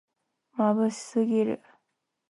まぶしすぎる